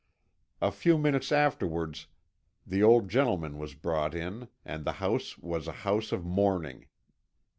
A few minutes afterwards the old gentleman was brought in, and the house was a house of mourning.